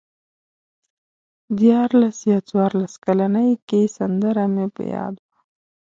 په دیارلس یا څوارلس کلنۍ کې سندره مې په یاد وه.